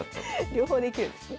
両方できるんですね。